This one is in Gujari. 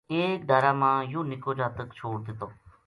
ایک ڈھارا ما یوہ نِکو جاتک چھوڈ دِتو